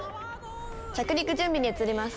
着陸準備に移ります。